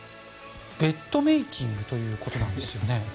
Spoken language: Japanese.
ベッドメイキングということなんですよね。